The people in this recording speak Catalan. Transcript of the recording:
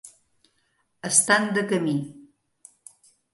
Estan de camí.